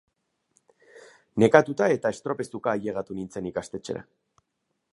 Nekatuta eta estropezuka ailegatu nintzen Ikastetxera.